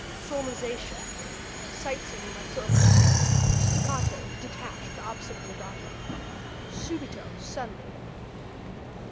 Solmization sight singing by syllable. Staccato detached; the opposite of legato. Subito suddenly.